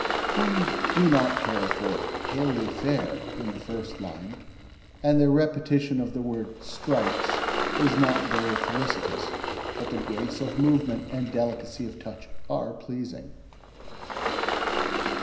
We do not care for 'palely fair' in the first line, and the repetition of the word 'strikes' is not very felicitous, but the grace of movement and delicacy of touch are pleasing.